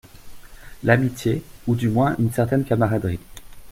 L’amitié, ou du moins une certaine camaraderie